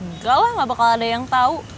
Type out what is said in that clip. enggak lah gak bakal ada yang tahu